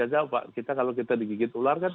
saja pak kalau kita digigit ular kan